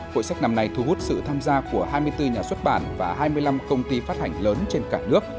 hội sách năm nay thu hút sự tham gia của hai mươi bốn nhà xuất bản và hai mươi năm công ty phát hành lớn trên cả nước